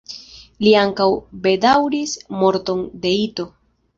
Li ankaŭ bedaŭris morton de Ito.